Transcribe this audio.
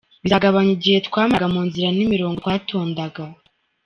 Bizagabanya igihe twamaraga mu nzira n’imirongo twatondaga.